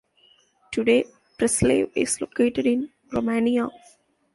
Today Prislav is located in Romania.